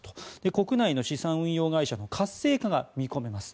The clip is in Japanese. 国内の資産運用会社の活性化が見込めます。